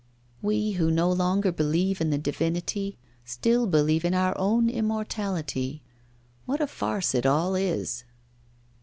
We, who no longer believe in the Divinity, still believe in our own immortality. What a farce it all is!